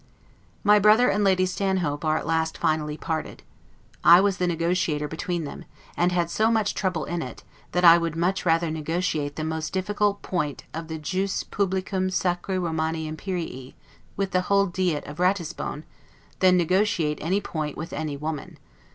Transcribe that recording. My brother and Lady Stanhope are at last finally parted. I was the negotiator between them; and had so much trouble in it, that I would much rather negotiate the most difficult point of the 'jus publicum Sacri Romani Imperii' with the whole Diet of Ratisbon, than negotiate any point with any woman.